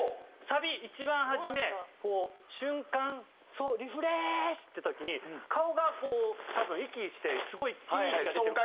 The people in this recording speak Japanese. サビ一番初めこう「瞬間Ｓｏ」リフレッシュ！って時に顔がこう多分息してすごいいい息が出てる。